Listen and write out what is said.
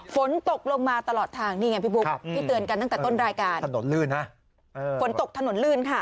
ฝนตกลงมาตลอดทางนี่ไงพี่บุ๊คพี่เตือนกันตั้งแต่ต้นรายการ